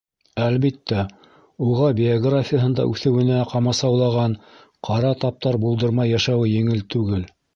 Әлбиттә, уға биографияһында үҫеүенә ҡамасаулаған ҡара таптар булдырмай йәшәүе еңел түгел.